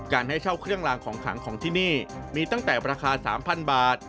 ให้เช่าเครื่องลางของขังของที่นี่มีตั้งแต่ราคา๓๐๐บาท